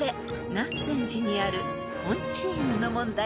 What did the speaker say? ［南禅寺にある金地院の問題］